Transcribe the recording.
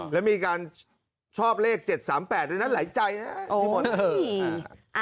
แล้วมีการชอบเลข๗๓๘ด้วยนะหลายใจนะ